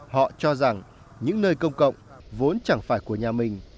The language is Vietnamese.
họ cho rằng những nơi công cộng vốn chẳng phải của nhà mình